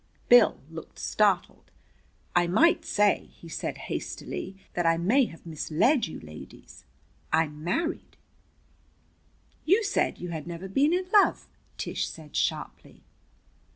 Bill looked startled. "I might say," he said hastily, "that I may have misled you, ladies. I'm married." "You said you had never been in love," Tish said sharply.